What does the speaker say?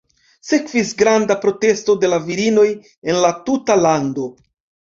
Sekvis granda protesto de la virinoj en la tuta lando.